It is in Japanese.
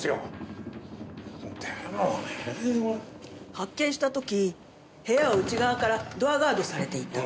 発見した時部屋は内側からドアガードされていた。